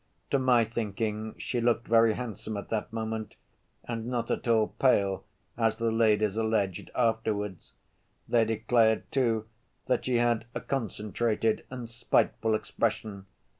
To my thinking she looked very handsome at that moment, and not at all pale, as the ladies alleged afterwards. They declared, too, that she had a concentrated and spiteful expression.